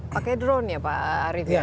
pakai drone ya pak arief ya